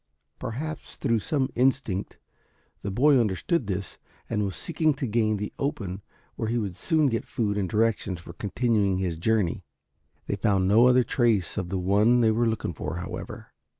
Perhaps through some instinct, the boy understood this and was seeking to gain the open where he would soon get food and directions for continuing his journey. They found no other trace of the one they were looking for, however.